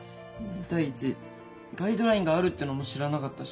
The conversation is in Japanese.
第一ガイドラインがあるってのも知らなかったし。